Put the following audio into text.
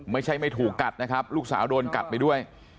ไม่ใช่ไม่ถูกกัดนะครับลูกสาวโดนกัดไปด้วย